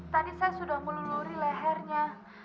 tadi saya sudah meluluri lehernya